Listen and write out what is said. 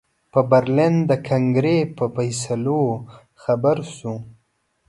په برلین د کنګرې په فیصلو خبر شو.